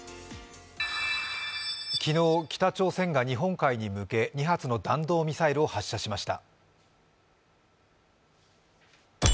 昨日、北朝鮮が日本海に向け２発の弾道ミサイルを発射しました。